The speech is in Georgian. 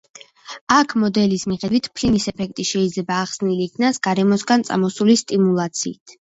ამ მოდელის მიხედვით, ფლინის ეფექტი შეიძლება ახსნილი იქნას გარემოსგან წამოსული სტიმულაციით.